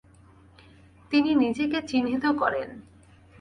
তিনি নিজেকে চিহ্নিত করেন।